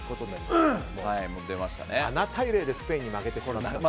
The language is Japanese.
７対０でスペインに負けてしまったと。